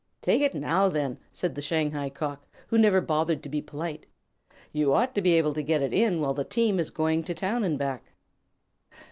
"Take it now then," said the Shanghai Cock, who never bothered to be polite. "You ought to be able to get it in while the team is going to town and back."